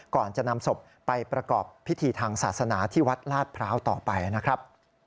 ก่อนจะนำศพไปประกอบพิธีทางศาสนาที่วัดลาดพร้าวต่อไปนะครับ